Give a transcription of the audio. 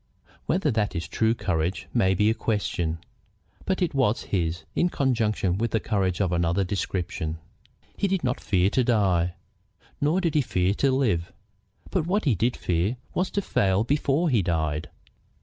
Whether that is true courage may be a question, but it was his, in conjunction with courage of another description. He did not fear to die, nor did he fear to live. But what he did fear was to fail before he died.